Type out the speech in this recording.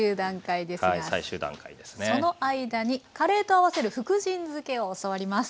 最終段階ですがその間にカレーと合わせる福神漬を教わります。